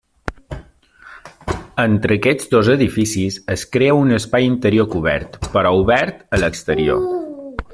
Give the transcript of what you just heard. Entre aquests dos edificis es crea un espai interior cobert però obert a l'exterior.